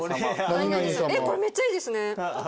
これめっちゃいいですね。